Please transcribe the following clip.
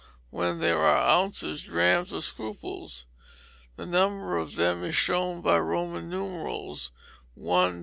When there are ounces, drachms, or scruples, the number of them is shown by Roman figures, thus: i.